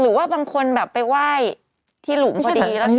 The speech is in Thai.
หรือว่าบางคนแบบไปไหว้ที่หลุมพอดี